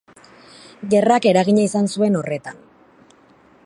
Gerrak eragina izan zuen horretan.